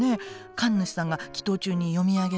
神主さんが祈とう中に読み上げるものね。